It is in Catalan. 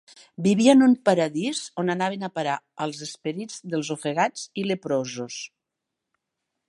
Vivia en un Paradís on anaven a parar els esperits dels ofegats i leprosos.